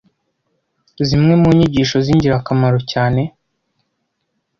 zimwe mu nyigisho z’ingirakamaro cyane